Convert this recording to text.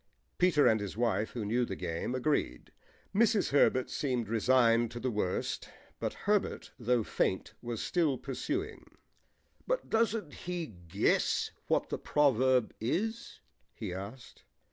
Peter and his wife, who knew the game, agreed. Mrs. Herbert seemed resigned to the worst, but Herbert, though faint, was still pursuing. "But doesn't he guess what the proverb is?" he asked.